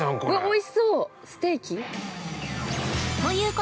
◆おいしそう！